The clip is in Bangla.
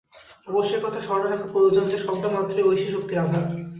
অবশ্য এ-কথা স্মরণে রাখা প্রয়োজন যে, শব্দ-মাত্রই ঐশী শক্তির আধার।